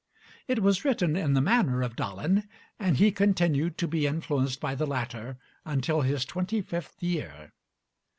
It was written in the manner of Dalin, and he continued to be influenced by the latter until his twenty fifth year.